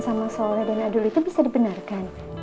sama soleh dan adul itu bisa dibenarkan